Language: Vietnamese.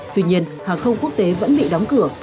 tuy nhiên hàng không quốc tế vẫn bị đóng cửa